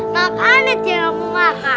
makannya dia gak mau makan